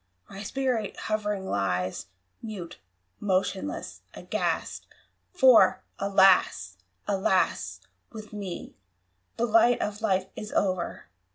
my spirit hovering lies Mute, motionless, aghast! For, alas! alas! with me The light of Life is o'er!